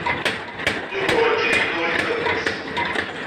Yuba werǧin yennuɣ-it baba-s.